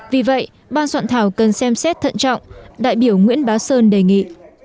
vì vậy ban soạn thảo cần xem xét thận trọng đại biểu nguyễn bá sơn đề nghị